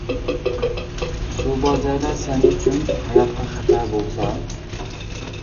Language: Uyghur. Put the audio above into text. سۇ بار جايلار سەن ئۈچۈن، ھاياتقا خەتەر بولسا.